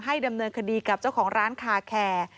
ดำเนินคดีกับเจ้าของร้านคาแคร์